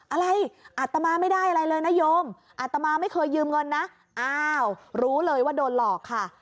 อะไรอัตมาไม่ได้อะไรเลยนโยมอัตมาไม่เคยยืมเงินนะอ้าวรู้เลยว่าโดนหลอกค่ะ